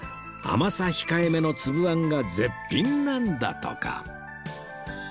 甘さ控えめの粒あんが絶品なんだとか